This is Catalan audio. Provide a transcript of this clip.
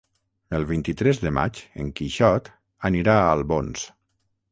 El vint-i-tres de maig en Quixot anirà a Albons.